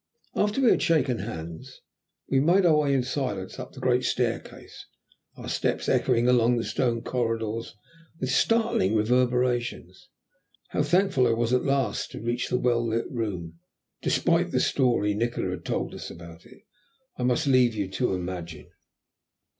After we had shaken hands we made our way in silence up the great staircase, our steps echoing along the stone corridors with startling reverberations. How thankful I was at last to reach the warm, well lit room, despite the story Nikola had told us about it, I must leave you to imagine.